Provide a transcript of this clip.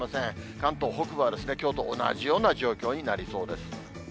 関東北部はきょうと同じような状況になりそうです。